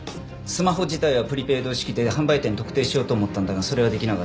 スマホ自体はプリペイド式で販売店特定しようと思ったんだがそれはできなかった。